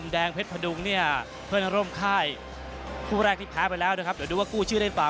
เดี๋ยวดูว่ากู้ชื่อได้เปล่า